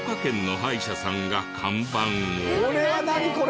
これは何これ？